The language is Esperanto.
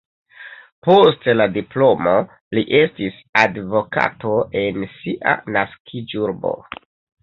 Post la diplomo li estis advokato en sia naskiĝurbo.